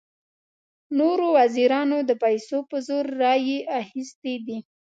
نورو وزیرانو د پیسو په زور رایې اخیستې دي.